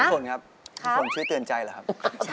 คุณสนครับคุณสนชื่อเตือนใจหรอครับ